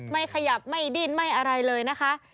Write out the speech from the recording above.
ไม่ขยับไม่ดิ้นไม่อะไรเลยนะคะ